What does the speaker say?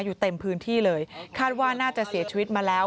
อยู่เต็มพื้นที่เลยคาดว่าน่าจะเสียชีวิตมาแล้ว